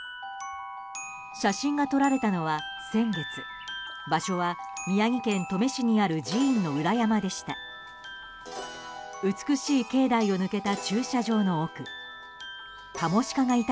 写真が撮られたのは先月場所は宮城県登米市にある寺院の裏山でした。